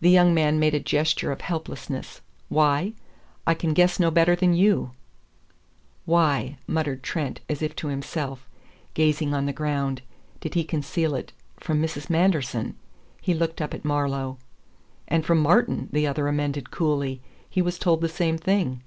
The young man made a gesture of helplessness. "Why? I can guess no better than you." "Why," muttered Trent as if to himself, gazing on the ground, "did he conceal it from Mrs. Manderson?" He looked up at Marlowe. "And from Martin," the other amended coolly. "He was told the same thing."